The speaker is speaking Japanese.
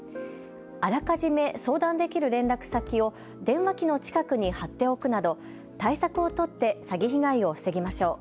あらかじめ相談できる連絡先を電話機の近くに貼っておくなど対策を取って詐欺被害を防ぎましょう。